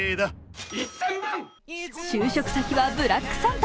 就職先はブラックサンタ。